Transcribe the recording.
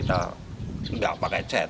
biasanya kita pakai aplas